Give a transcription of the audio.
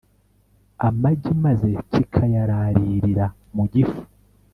amagi maze kikayararirira mu gifu